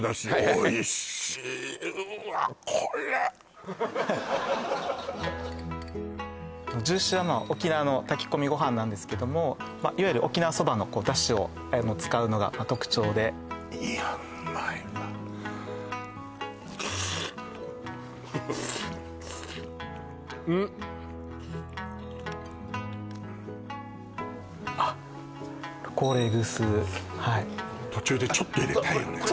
おいしいうわっこれジューシーは沖縄の炊き込みご飯なんですけどもいわゆる沖縄そばのだしを使うのが特徴でいやうまいわうんっあっコーレーグースはい途中でちょっと入れたいよね